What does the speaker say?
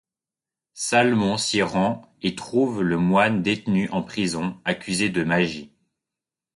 Salmon s'y rend et trouve le moine détenu en prison, accusé de magie.